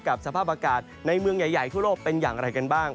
สภาพอากาศในเมืองใหญ่ทั่วโลกเป็นอย่างไรกันบ้าง